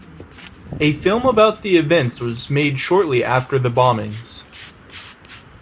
A film about the events was made shortly after the bombings.